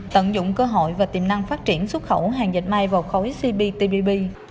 tận dụng cơ hội và tiềm năng phát triển xuất khẩu hàng dệt may vào khối cptpp